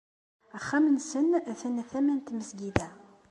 Axxam-nsen atan tama n tmesgida.